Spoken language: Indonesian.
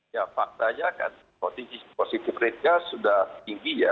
ya faktanya kan kondisi positif red gas sudah tinggi ya lima sembilan